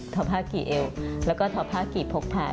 ทอพ่ากี่เอวแล้วก็ทอพ่ากี่พกผ่า